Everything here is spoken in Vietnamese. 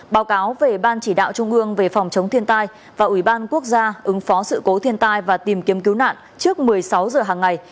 báo cáo về ban chỉ đạo trung ương về phòng chống thiên tai và ủy ban quốc gia ứng phó sự cố thiên tai và tìm kiếm cứu nạn trước một mươi sáu giờ hàng ngày